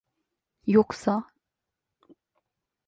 Yoksa!